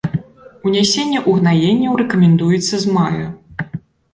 Унясенне угнаенняў рэкамендуецца з мая.